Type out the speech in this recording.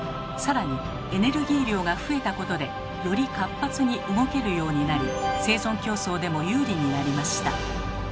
さらにエネルギー量が増えたことでより活発に動けるようになり生存競争でも有利になりました。